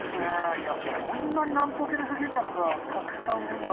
いやこんなに南方系のイソギンチャクがたくさんいるんだ。